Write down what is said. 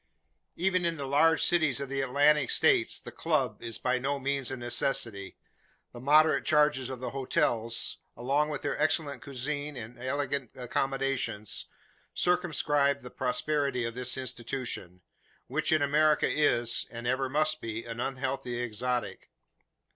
Even in the larger cities of the Atlantic states the "club" is by no means a necessity. The moderate charges of the hotels, along with their excellent cuisine and elegant accommodations, circumscribe the prosperity of this institution; which in America is, and ever must be, an unhealthy exotic.